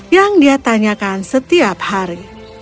yang dia tanyakan setiap hari